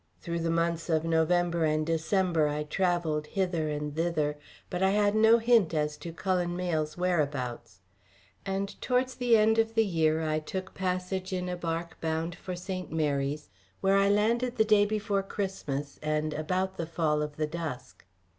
Through the months of November and December I travelled hither and thither, but I had no hint as to Cullen Mayle's whereabouts; and towards the end of the year I took passage in a barque bound for St. Mary's, where I landed the day before Christmas and about the fall of the dusk.